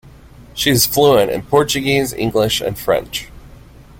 She is fluent in Portuguese, English and French.